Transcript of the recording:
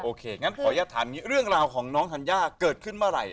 โอเคงั้นขออนุญาตฐานเรื่องราวของน้องธัญญาเกิดขึ้นเมื่อไหร่